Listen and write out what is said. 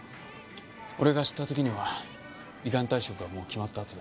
俺が知った時には依願退職がもう決まったあとで。